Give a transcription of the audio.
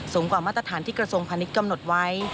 สูงกว่ามาตรฐานที่กระทรงพันธุ์นี้กำหนดไว้